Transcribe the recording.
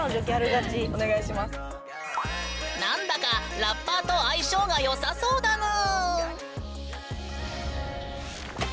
何だかラッパーと相性が良さそうだぬん！